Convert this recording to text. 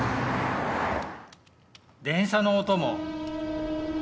電車の音も。